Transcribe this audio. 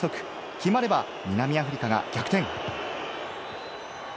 決まれば、南アフリカが逆転。